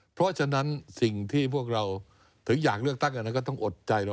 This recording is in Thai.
เพราะฉะนั้นสิ่งที่พวกเราถึงอยากเลือกตั้งอันนั้นก็ต้องอดใจเรา